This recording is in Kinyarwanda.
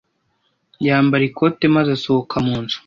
Yambara ikote maze asohoka mu nzu.